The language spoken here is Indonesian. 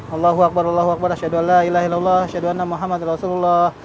allah huakbar allah huakbar asyadu'allah ilahi allah syadu'anam muhammad rasulullah